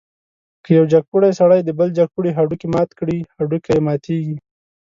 که یو جګپوړی سړی د بل جګپوړي هډوکی مات کړي، هډوکی یې ماتېږي.